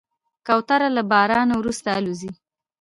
کوتره له باران وروسته الوزي.